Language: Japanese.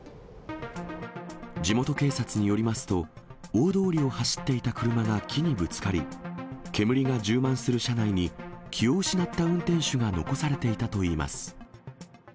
地元警察によりますと、大通りを走っていた車が木にぶつかり、煙が充満する車内に、気を失った運転手が残されていたといいます。